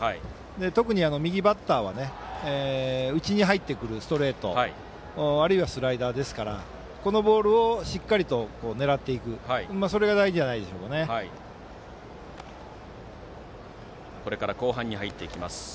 特に右バッターは内に入ってくるストレートあるいはスライダーですからこのボールをしっかり狙っていくことがこれから後半に入っていきます。